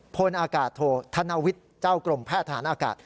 พลอากาศโทษธนวิทย์เจ้ากรมแพทย์ทหารอากาศ